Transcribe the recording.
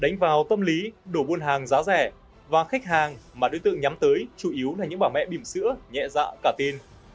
đánh vào tâm lý đổ buôn hàng giá rẻ và khách hàng mà đối tượng nhắm tới chủ yếu là những bà mẹ bìm sữa nhẹ dạ cả tin